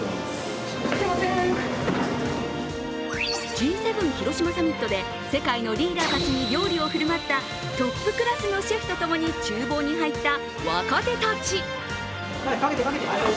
Ｇ７広島サミットで世界のリーダーたちに料理を振る舞ったトップクラスのシェフとともにちゅう房に入った、若手たち。